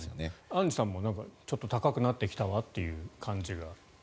アンジュさんもちょっと高くなってきたという間隔が。